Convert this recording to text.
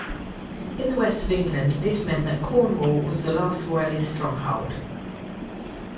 In the West of England this meant that Cornwall was the last Royalist stronghold.